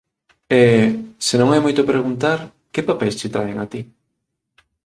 E, se non é moito preguntar, que papeis che traen a ti?